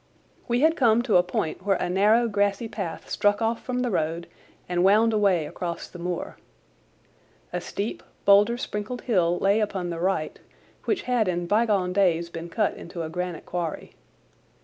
We had come to a point where a narrow grassy path struck off from the road and wound away across the moor. A steep, boulder sprinkled hill lay upon the right which had in bygone days been cut into a granite quarry.